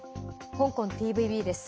香港ＴＶＢです。